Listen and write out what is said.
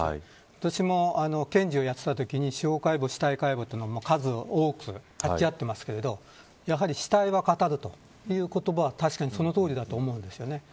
私も検事をやっていたときに司法解剖、死体解剖は数多く立ち会っていますけどやはり、死体は語るという言葉は確かにそのとおりだと思うんですよね。